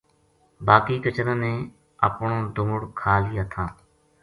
باقی کچراں نے اپن دُمڑ کھا لیا تھا